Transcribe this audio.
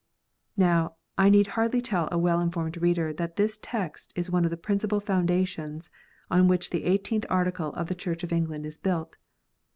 Now, I need hardly tell a well informed reader that this text is one of the principal foundations on which the Eighteenth Article of the Church of England is built.